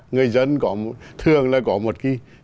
người dân thường là có một cái